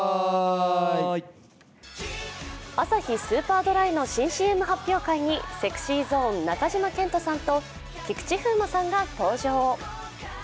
アサヒスーパードライの新ＣＭ発表会にＳｅｘｙＺｏｎｅ・中島健人さんと菊池風磨さんが登場。